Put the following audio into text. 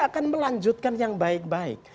akan melanjutkan yang baik baik